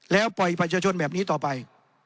แล้วปล่อยประชาชนแบบนี้ต่อไป